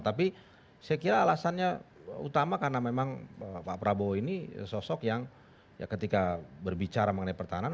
tapi saya kira alasannya utama karena memang pak prabowo ini sosok yang ya ketika berbicara mengenai pertahanan